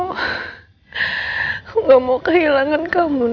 aku gak mau kehilangan kamu